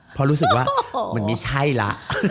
เพราะรู้สึกว่ามันไม่ใช่ละ